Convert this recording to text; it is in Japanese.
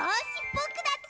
ぼくだって。